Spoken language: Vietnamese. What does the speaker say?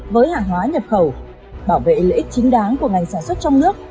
với hàng hóa nhập khẩu bảo vệ lợi ích chính đáng của ngành sản xuất trong nước